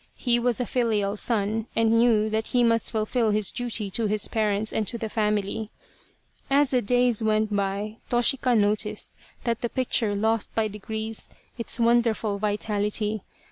He was a filial son, and knew that he must fulfil his duty to his parents and to the family. As the days went by Toshika noticed that the picture lost by degrees its wonderful vitality.